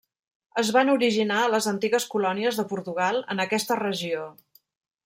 Es van originar a les antigues colònies de Portugal en aquesta regió.